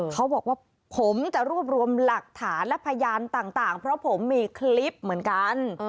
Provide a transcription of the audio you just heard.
เขาบอกว่าผมจะรวบรวมหลักฐานและพยานต่างเพราะผมมีคลิปเหมือนกัน